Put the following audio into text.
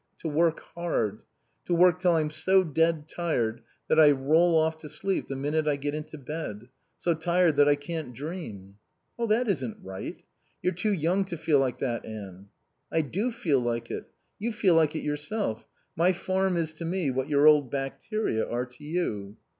To work hard. To work till I'm so dead tired that I roll off to sleep the minute I get into bed. So tired that I can't dream." "That isn't right. You're too young to feel like that, Anne." "I do feel like it. You feel like it yourself My farm is to me what your old bacteria are to you."